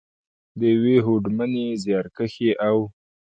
، د یوې هوډمنې، زیارکښې او .